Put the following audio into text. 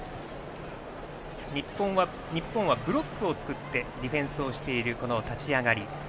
日本は、ブロックを作ってディフェンスをしているこの立ち上がり。